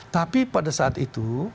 tapi pada saat itu